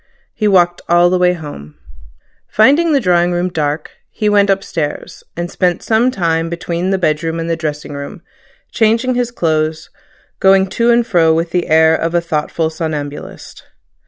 He walked all the way home. Finding the drawing room dark, he went upstairs, and spent some time between the bedroom and the dressing room, changing his clothes, going to and fro with the air of a thoughtful somnambulist.